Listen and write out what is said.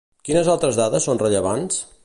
Quines altres dades són rellevants?